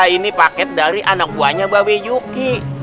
ini paket dari anak buahnya babe juki